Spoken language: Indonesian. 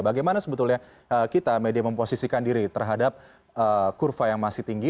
bagaimana sebetulnya kita media memposisikan diri terhadap kurva yang masih tinggi